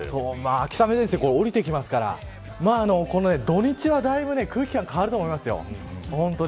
秋雨前線降りてきますから土日は空気感が変わると思いますよ。